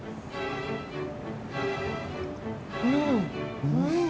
うんうん。